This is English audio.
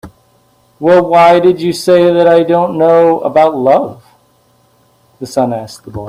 "Well, why did you say that I don't know about love?" the sun asked the boy.